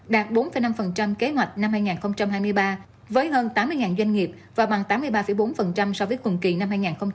đạt bốn năm kế hoạch năm hai nghìn hai mươi ba với hơn tám mươi doanh nghiệp và bằng tám mươi ba bốn so với cùng kỳ năm hai nghìn hai mươi ba